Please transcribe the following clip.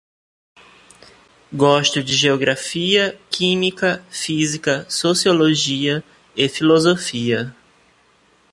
Gosto de geografia, química, física, sociologia e filosofia